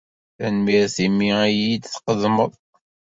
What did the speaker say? Tanemmirt imi ay iyi-d-tqeddmeḍ.